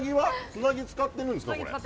つなぎ使ってるんですか？